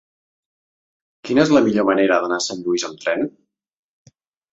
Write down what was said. Quina és la millor manera d'anar a Sant Lluís amb tren?